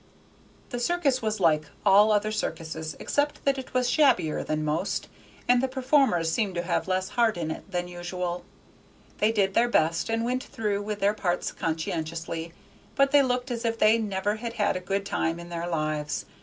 The circus was like all other circuses, except that it was shabbier than most, and the performers seemed to have less heart in it than usual. They did their best, and went through with their parts conscientiously, but they looked as if they never had had a good time in their lives.